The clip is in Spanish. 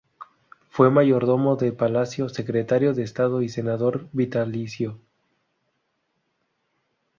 Fue mayordomo de Palacio, secretario de Estado y senador vitalicio.